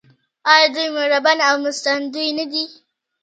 آیا دوی مهربان او مرستندوی نه دي؟